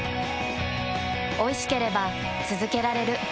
おいしければつづけられる。